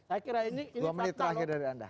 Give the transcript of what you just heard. dua menit terakhir dari anda